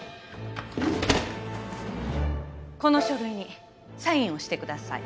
この書類にサインをしてください。